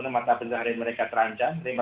mata penjahat mereka terancam